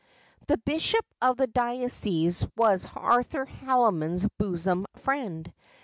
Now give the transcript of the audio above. The bishop of the diocese was Arthur Haldimond's bosom fr.e.il.